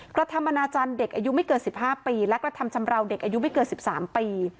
กระทำอนาจารย์เด็กอายุไม่เกิน๑๕ปีและกระทำชำราวเด็กอายุไม่เกิน๑๓ปี